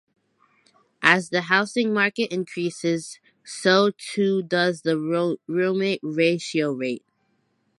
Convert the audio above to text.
As the housing market increases, so too does the roommate ratio rate.